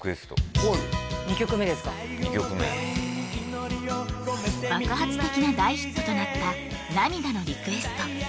２曲目ですか２曲目爆発的な大ヒットとなった「涙のリクエスト」